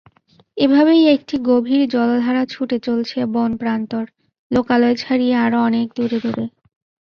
এভাবেই একটি গভীর জলধারা ছুটে চলছে বন-প্রান্তর, লোকালয় ছাড়িয়ে আরও অনেক দূরে।